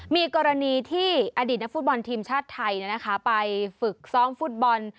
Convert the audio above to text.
มีกรณีที่อดีตนักฟุตบอลทีมชาติไทยไปฝึกซ้อมฟุตบอล